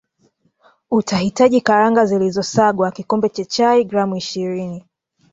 utahitaji Karanga zilizosagwa kikombe cha chai gram ishirini